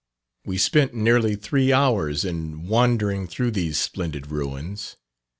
We spent nearly three hours in wandering through these splendid ruins.